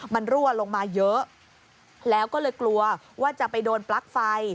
มันรั่วลงมาเยอะแล้วก็เลยกลัวว่าจะไปโดนปลั๊กไฟ